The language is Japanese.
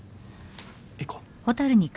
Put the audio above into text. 行こう。